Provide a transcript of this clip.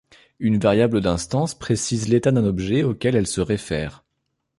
Une variable d’instance précise l'état d'un objet auquel elle se réfère.